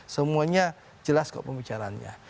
semuanya jelas kok pembicaranya